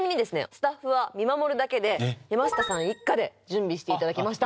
スタッフは見守るだけで山下さん一家で準備していただきました